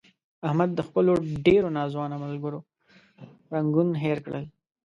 احمد د خپلو ډېرو ناځوانه ملګرو رنګون هیر کړل.